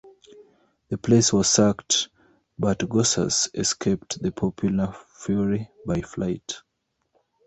The place was sacked, but Gorsas escaped the popular fury by flight.